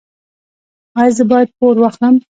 ایا زه باید پور واخلم؟